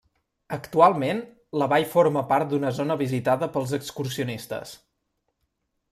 Actualment, la vall forma part d'una zona visitada pels excursionistes.